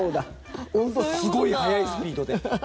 本当、すごい速いスピードで。